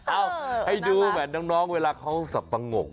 อ้าวให้ดูแบบน้องเวลาเขาสะปะงก